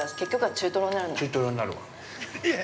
◆中トロになるわ。